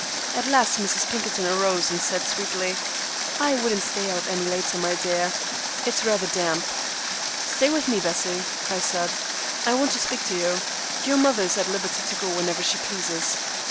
At last Mrs. Pinkerton arose, and said sweetly, "I wouldn't stay out any later, dear, it is rather damp." "Stay with me, Bessie," I said, "I want to speak to you. Your mother is at liberty to go in whenever she pleases."